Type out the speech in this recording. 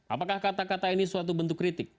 apakah kata kata ini suatu bentuk kritik